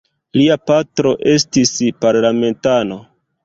Lia patro estis parlamentano.